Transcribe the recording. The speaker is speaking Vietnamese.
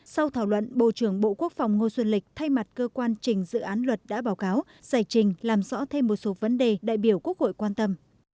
sau thảo luận bộ trưởng bộ quốc phòng ngô xuân lịch thay mặt cơ quan trình dự án luật đã báo cáo giải trình làm rõ thêm một số vấn đề đại biểu quốc hội quan tâm